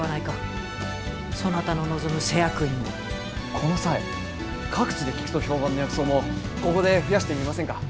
この際各地で効くと評判の薬草もここで増やしてみませんか？